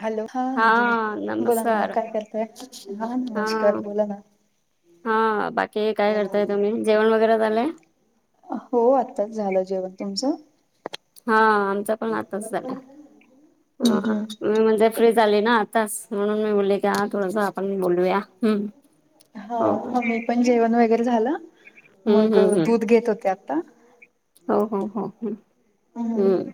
Hello हा दिदी बोला ना, नमस्कार काय करतय हा नमस्कार बोला ना. हा बाकी काय करताय तुम्ही जेवण वगैरे झालंय? हो आत्ताच झालं जेवण तुमचं हा आमचा पण आताच झालाय. हम्म मी म्हणजे फ्री झाली ना आताच म्हणून मी म्हटलं का थोडसा आपण बोलूया हम हो हम्म हो. हा मी पण जेवण वगैरे झालं हम्म मग हम्म हम्म दूध घेत होते आता. हो हो हो हो. हम्म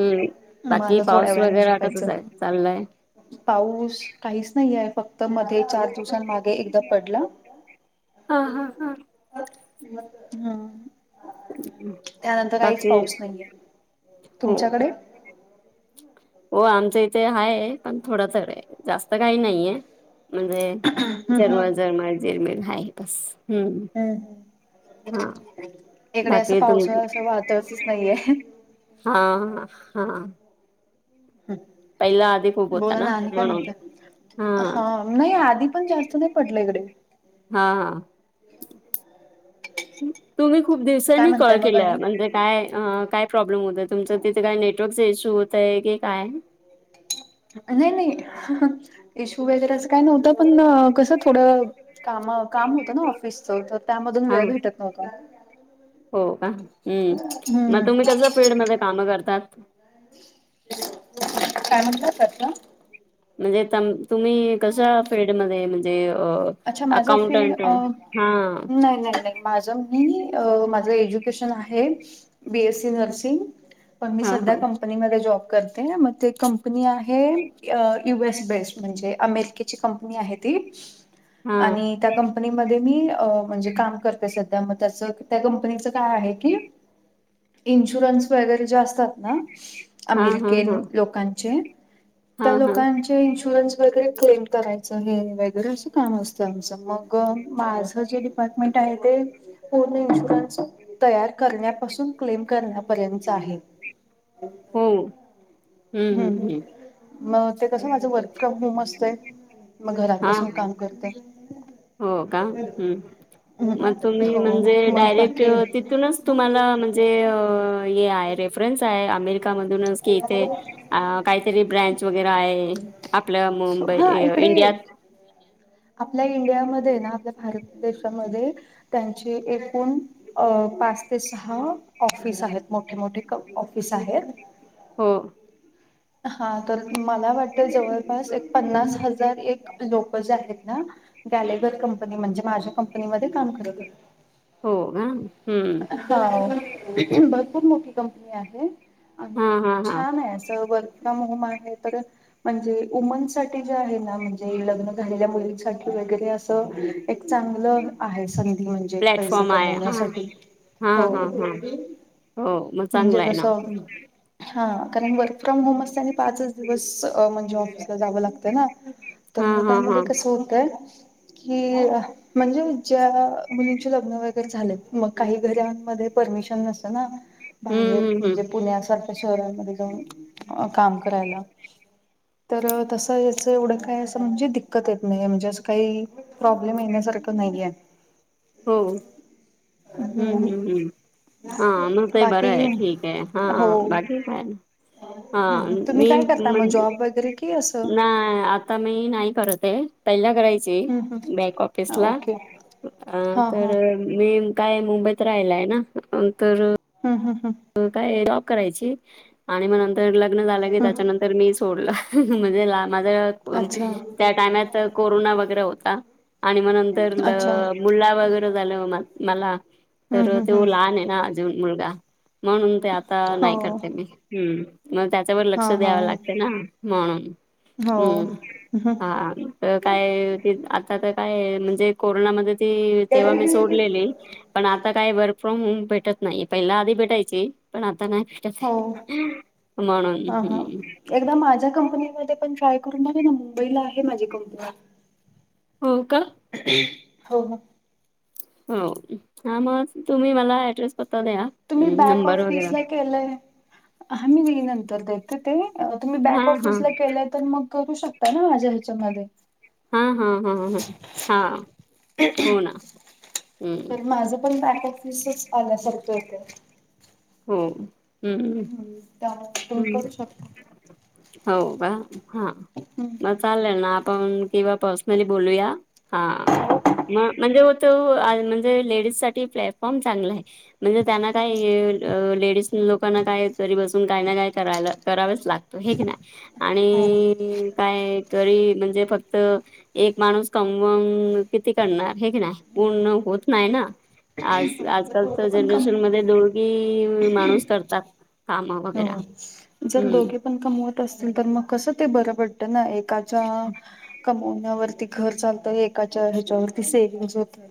हम्म मग बाकी आता थोड्या पाऊस वेळाने वगैर आता झोपायचं कसच चाललंय. पाऊस काहीच नाही आहे फक्त मध्ये चार दिवसांमागे एकदा पडला हा हा हा हमं. बाकी नाही हो तुमच्याकडे हो आमचं इथे हाय पण थोडं तर आहे जास्त काही नाहीये. म्हणजे हम्म हम्म जरमळ जरमळ जिरमीर आहे बस. हम्म हम् हा इकडे असं बाकी तुम पावसाळा अस वाटतच नाहीये. हा. हा. पहिला आधी खूप हम होता बोला ना न आनी काय म्हणून म्हणताय? हा. नाई आधी पण जास्त नाई पडला इकडे. हां हां तुम्ही खूप काय दिवसांनी म्हणताय कॉल मग केला आणि म्हणजे काय अं काय प्रॉब्लेम होता तुमचं तिथं काय नेटवर्कचं इश्यू होतंय की काय? नई नई, हं हं. इश्यू वगैरे असं काई नव्हतं पण कसं थोडं कामं काम होतं ना ऑफिसच तर त्यामधून हा वेळ भेटत नव्हता. हो का हम्म म हम्म तुम्ही कस फील्डमध्ये कामं करतात? काय म्हणता कसलं? म्हणजे तम तुम्ही कसं फिल्डमध्ये म्हणजे अ अच्छा माझा फील्ड अकाउंटंट अ हा नाई नाई नाई. माझं मी माझं एज्युकेशन आहे बी. एस. सी. नर्सिंग. पण मी हा सध्या कम् हा कंपनी मध्ये जॉब करते म ते कपंनी आहे यू. एस. बेस् म्हणजे अमेरिके चि कपंनी आहे ति हा आणि त्या कंप कपंनी मध्ये मी अ म्हणजे काम करते सध्या म त्याचं त्या कंपनीचं काय आहे की इन्शुरन्स वगैरे जे असतात ना हा हा हा अमेरिकेन लोकांचे हा त्या हा लोकांच् ते इन्शुरन्स वगैरे क्लेम करायचं हे वगैरे असं काम असतं आमचं, मग माझं जे डिपार्टमेंट आहे ते पूर्ण इन्शुरन्स तयार करण्यापासून क्लेम करण्यापर्यंतचं आहे. हो हम्म हम्म हं. हम्म हम्म म ते कसं माझं वर्क फ्रॉम होम असतंय म घरात हा बसून काम करतंय. हो का हं म तुम्ही हो म्हणजे मग डायरेक्ट बाकी अ तिथूनच तुम्हाला म्हणजे अ हे आहे रेफरन्स आहे अमेरिका मधूनच कि इथे अ काई तरी ब्रँच वगैरे आये आपलं मुंबई हा अ इकडे इंडियात. आपल्या इंडियामध्ये ना आपल्या भारत देशामध्ये त्यांची एकूण अं पाच ते सहा ऑफिस आहेत, मोठे मोठे क ऑफिस आहेत. हो हा तर मला वाटतं जवळपास एक पन्नास हजार एक लोक जातेत ना. गॅलेगर कंपनी म्हणजे कंपनीमध्ये काम करत होत् हो ऊं हुं. भरपूर मोठी कंपनी आहे आणि हां हां हां छान आहे असं वर् फ्राॅम होम आहे तर म्हणजे वूमन साठी जे आहे ना म्हणजे लग्न झालेल्या मुलींसाठी वगैरे असं एक चांगलं आहे संधी म्हणजे् -जे पैसे प्लॅटफॉर्म आहे हां कमावण्यासाठी, हां हो. हां हां हो म म्हणजे चांगलाये ना. कसं हा कारण वर्क फ्रॉम होम असतं आणि पाचच दिवस म्हणजे ऑफिसला जावं लागत ना. तर हां म हां हां त्यामध्ये कसं होतंय की म्हणजे ज्या मुलींची लग्न वगैरे झालेत म काही घरांमध्ये परमिशन नसतं ना बाहेर हम्म हम्म हम्म म्हणजे पुण्यासारख्या शहरांमध्ये जाऊन अं काम करायला. तर तसं याचं एवढं काय असं म्हणजे दिक्कत येत नाई म्हणजे असं काई प्रॉब्लेम येन्या सारखं नाईये. हो हम्म हम्म हम्म. हा मग काय बरं बाकी आहे ठीक आहे. हा हो बाकी? काय नाही. हा हम्म, तुम्ही मी काय करता मग म्हणजे जॉब वगैरे कि असं? नाय आ आता मी नाही करत आहे. पहिला करायची हम्म बॅक हम्म ऑफिसला. ओके हा तर मी काय मुंबईत राहिला हाय ना. तर हम्म हम्म हम्म. काय जॉब करायची आणि मग नंतर लग्न झालं की हम्म त्याच्यानंत तर मी सोडलं म्हणजे अच्छा माझ्या [unintelligible] [unintelligible] कोरोना वगैरे होता आणि मग नंतर अच्छा हम्म मुलला वगैरे झालं म-मला तर हम्म त्यो हम्म लहान आहे ना अजून मुलगा. म्हणून ते आता नाही हो करते मी. हम्म मग त्याच्यावर हा लक्ष हा द्याव लागते ना. म्हणून हम्म हा. तर काय की आता तर काय म्हणजे कोरोनामध्ये ती तेव्हा मी सोडलेली, पण आ आता काही वर्क फ्रॉम होम भेटत नाही. पहिला आधी भेटायचे पण आता नाय. हो म्हणून हा हा हम्म. एकदा माझ्या कंपनीमध्ये पण ट्राय करून बघा ना, मुंबईला आहे माझी कंपनी. हो का? हो हो. हो‌. त्यामुळंच तुम्ही मला ऍड्रेस पत्ता द्या. तुम्ही हं, बॅक नंबर ऑफिसला वगैरे. केलंय. हा मी नंतर देते ते. तुम्ही बॅक हां, हां. ऑफिसला केलेत तर मग करू शकता ना माझ्या ह्याच्यामध्ये. हा हा हो हा हो ना. हं. तर माझं पण बॅक ऑफिसच आल्यासारखं होतंय. हो हम्म हम्म त्यामुळे तुम्ही करू हम्म. शकता. हो का? हा मग चाललंय ना पण किंवा पर्सनली बोलूया हा. मग म्हणजे तो आहे म्हणजे लेडीजसाठी प्लॅटफॉर्म चांगला आहे. म्हणजे त्यांना काही हे अ लेडीज लोकांना काय तरी बसून काही ना काय करायला करावच लागतं हे की नाही. आणि काय तरी म्हणजे फक्त एक माणूस कमवून किती करणार हे की नाही? पूर्ण होत नाही ना आज एक आजकाल. दोघं पण कमवू प्रेझेंटेशनमध्ये दोघी माणूस करतात. काम वगैरे हो जर हम्म. दोघे पण कमवत असतील तर मग कसं ते बरं पडत ना, एकाच्या कमण्यावरती घर चालत एका हेच्यावरती सेविंग होतात.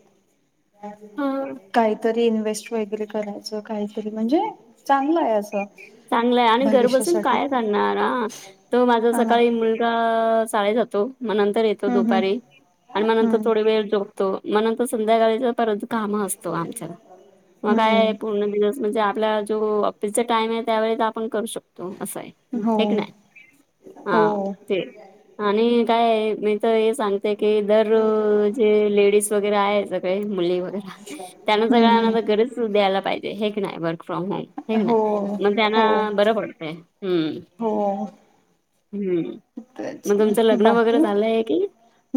काहीतर रि इन्व्हेस्ट वगैरे करायचं काहीतरी म्हणजे चांगलं आहे असं. चांगलं हाय आणि घर बसून भविष्यासाठी काय करणार. हा तो माझा हा ना सकाळी मुल अं शाळेत जातो, मग नंतर येतो हम्म दुपारी आणि मग नंतर हम्म थोडी वेळ झोप तो मग नंतर संध्याकाळीच परत काम असतो आमचं. मग काय हम्म पूर्ण दिवस म्हणजे आपला जो ऑफिसचा टाईम आहे त्यावेळेत आपण करू शकतो असं आहे. हम्म हो हाय क नाय हा हो ते. आणि काय मी तर हे सांगते की दर जे लेडीज वगैरे आहे सगळे मुली वगैरा त्यांना हम्म सगळ्यांना तर हम्म खरचं सुट द्यायला पाहिजे. हे कनई, वर्क फ्रॉम होम हे कनई? हो त्यांना हो बरं पडतंय, हम्म. हो. हम्म, तेच मग तुमचं लग्न वगैरे झालंय की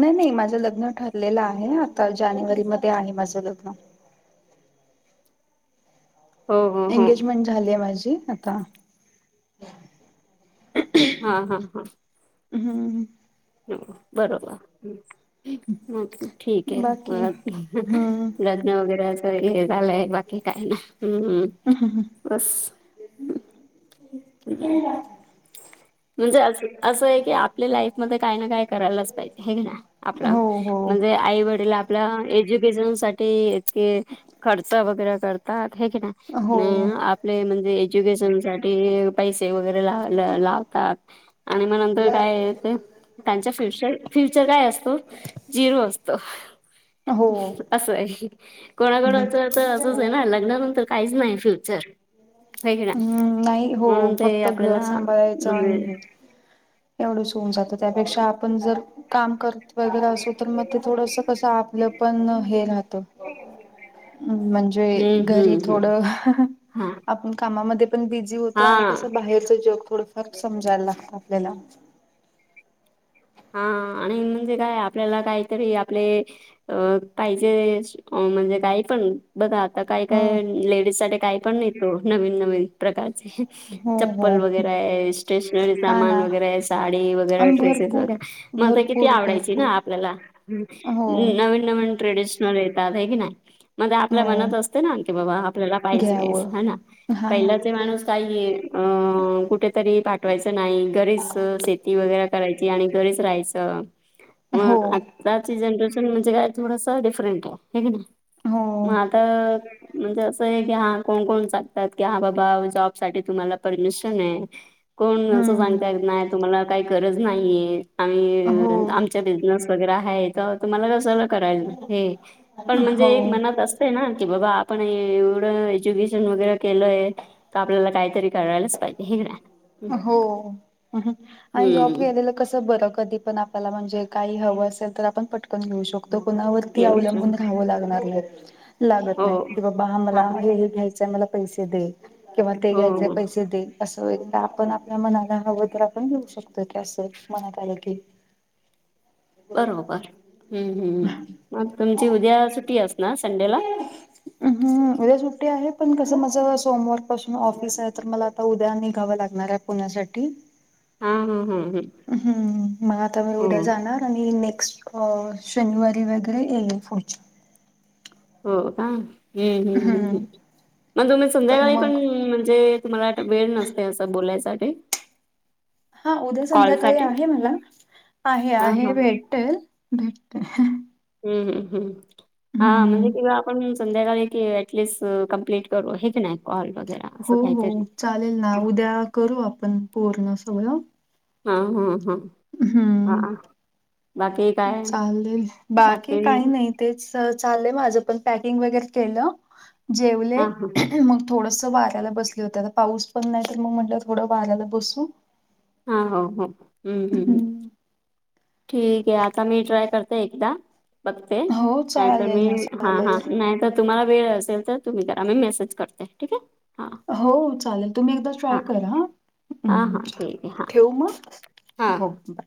नई नई माझं लग्न ठरलेलं आहे आता जानेवारीमध्ये आहे माझं लग्न. हो हो हो एंगेजमेंट झालीये माझी आता. हा हा हा. हम्म. हो बरोबर हम्म. ठीक ये बाकी हम्म लग्न वगैरे असं हे झालंय. बाकी काय नाय हम्म बस. म्हणजे असंय की आपल्या लाईफ मध्ये काय ना काय. करायलाच पाहिजे आप हो हो म्हणजे आई वडील आपल्या एज्युकेशन साठी. ते खर्च वगैरे करतात हे की हो नाय. आपले म्हणजे एज्युकेशन साठी पैसे वगैरे ला लाव. आणि मग नंतर काय ते त्यांच्या फ्युचर फ्युचर काय असतो. जीव असतो. हो असं होय कोणाकोणाच हम्म तर असंच ये ना लग्नानंतर. काहीच नाही फ्युचर. हे की नाही हम् नाही हो म्हणून ते फक्त आपल्याला घर सांभाळायचं म्हणजे आणि हे. एवढंच होऊन जातं त्यापेक्षा आपण जर. काम करत वगैरे असो तर मग ते थोडस कसं आपलं पण हे राहत. हम् म्हणजे हम्म घरी हम्म हम्म थोडं. हा. आपण कामामध्ये पण बिझी हा होतो आणि कसं बाहेरच जग थोडंफार समजायला लागतं आपल्याला. हा आणि म्हणजे काय आपल्याला काहीतरी आपले. अ काहीचे म्हणजे काही पण बघा. आता काही हम्म. काय लेडीज साठी काही पण येतो नवीन नवीन प्रकारचे. हो हो चप्पल वगैरे ये स्टेशनरी हा सामान ना वगैरे ये साडी वगैरे आणि ड्रेसेस भरपूर वगैरे. माझा किती भरपूर आवडायची ना भरपूर आपल्याला. हो नवीन नवीन ट्रेडिशनल येतात हाय की नाय. म्हणजे आपल्या हो मनात असते ना की बाबा आपल्याला पाहिजे घ्यावं ह ना. हा ना पहिल्याचे माणूस काही ये अ कुठेतरी पाठवायचं नाही घरीच. वगैरा करायची आणि घरीच राहायचं हो मग. आजची जनरेशन म्हणजे काय थोडस डिफरंट ये हे की नाय हो मग आता. म्हणजे असंय की हा कोण कोण सांगतात की हा बाबा जॉब साठी तुम्हाला परमिशन मिळेल. कोण अस हम्म सांगता येत नाय तुम्हाला काही गरज नाहीये हो आम्ही आमच्या बीज. हो [unintelligible] ते ना की बाबा आपण एवढं एज्युकेशन वगैरे केलय. तर आपल्याला काहीतरी करायलाच पाहिजे हे ना. हो आणि जॉब हम्म केलेलं. कसं बरं कधी पण आपल्याला म्हणजे काही हवं असेल तर आपण पटकन घेऊ शकतो. त कोणावरती एवढच अवलंबून हो ऱ्हाव लागणार नाय. लागत नाय की बाबा हा मला हे घ्यायचंय मला पैसे दे किंवा ते हो घ्यायचय हो पैसे दे. असं होईल त आपण आपल्या मनाला हवं तर आपण घेऊ शकतो. कस मनात आलं की. बरोबर हम्म हम्म मग तुमची उद्या सुट्टी असणार संडेला. हम्म उद्या सुट्टी आहे पण कसं माझ सोमवार पाासन ऑफिस हाय तर मला आता उद्या निघावं लागणार ये. पुण्यासाठी. हा हम्म हम्म हम्म. हम्म मग आता म उद्या जाणार. आणि नेक्स्ट शनिवारी वगैरे येल पुढच्या. हो का, हम्म् हम्म हम्म, मग तुम्ही तर संध्याकाळी मग पण म्हणजे तुम्हाला त वेळ नसतय असं बोलायसाठी. हां उद्या संध्याकाळी कॉलसाठी आहे मला, आहे हा हा आहे भेटेल भेट हम्म हम् हम्म, हा म्हणजे हम्म तिला आपण संध्याकाळी की ॲटलीस्ट कंम्प्लीट करू, हे की नाही, कॉल वगैरा. हो हो चालेल ना, उद्या करू आपण पूर्ण सगळं. हा हा हा. हा हम्म,, हा बाकी काय चालेल, बाकी काही नाही. तेच चालय माझं पण, पॅकिंग वगैरे केलं, जेवले हा हा मग थोडंसं वाऱ्याला बसले होते, आता पाऊस पण नाही तर मग म्हटलं थोडं वाऱ्याला बसू. हा हो हं, हम्म हम्म्म हम्म. ठीक हे आता मी ट्राय करते एकदा. बघते, हो नाही तर चालेल मी, ना हा चालेल. हा नाही तर तुम्हाला वेळ असेल तर तुम्ही करा, मी मेसेज करते. ठीक आहे हां हो चालेल, तुम्ही एकदा हां ट्राय करा. हां हां म् ठीक आहे हां ठेवू मग,, हां हो बर.